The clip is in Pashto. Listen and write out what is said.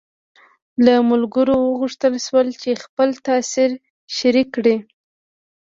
له ملګرو وغوښتل شول چې خپل تاثر شریک کړي.